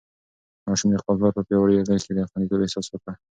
ماشوم د خپل پلار په پیاوړې غېږ کې د خونديتوب احساس وکړ.